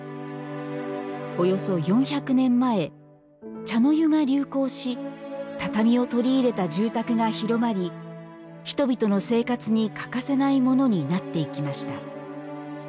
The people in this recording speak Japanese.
およそ４００年前茶の湯が流行し畳を取り入れた住宅が広まり人々の生活に欠かせないものになっていきました